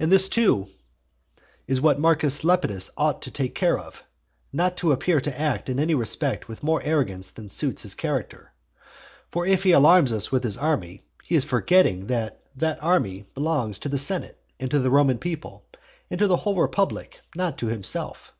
And this, too, is what Marcus Lepidus ought to take care of, not to appear to act in any respect with more arrogance than suits his character. For if he alarms us with his army, he is forgetting that that army belongs to the senate, and to the Roman people, and to the whole republic, not to himself.